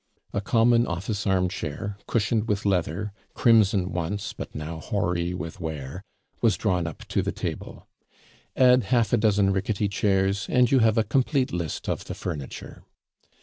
A common office armchair, cushioned with leather, crimson once, but now hoary with wear, was drawn up to the table. Add half a dozen rickety chairs, and you have a complete list of the furniture.